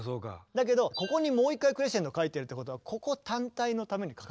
だけどここにもう一回クレッシェンドが書いてあるってことはここ単体のために書かれてるんですよね。